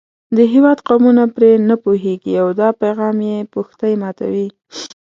د هېواد قومونه پرې نه پوهېږي او دا پیغام یې پښتۍ ماتوي.